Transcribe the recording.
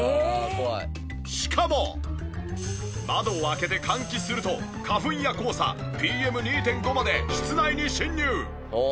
しかも窓を開けて換気すると花粉や黄砂ＰＭ２．５まで室内に侵入。